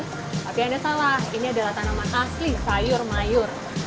tapi anda salah ini adalah tanaman asli sayur mayur